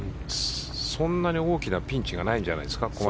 そんなに大きなピンチがないんじゃないんですか。